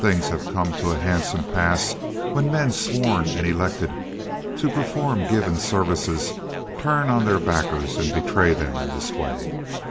Things have come to a handsome pass when men sworn and elected to perform given services turn on their backers and betray them in this way!"